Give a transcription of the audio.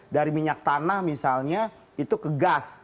dari minyak tanah misalnya itu ke gas